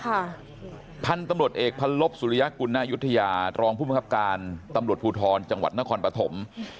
พันธุ์ตำรวจเอกพันลบสุริยกุณยุธยารองผู้บังคับการตำรวจภูทรจังหวัดนครปฐม